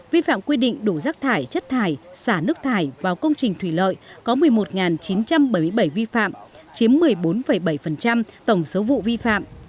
vi phạm quy định đủ rác thải chất thải xả nước thải vào công trình thủy lợi có một mươi một chín trăm bảy mươi bảy vi phạm chiếm một mươi bốn bảy tổng số vụ vi phạm